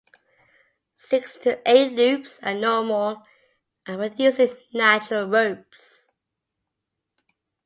Six to eight loops are normal when using natural ropes.